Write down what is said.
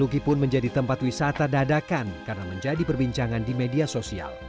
luki pun menjadi tempat wisata dadakan karena menjadi perbincangan di media sosial